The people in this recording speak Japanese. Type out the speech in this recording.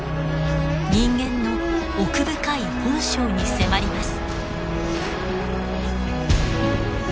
人間の奥深い本性に迫ります。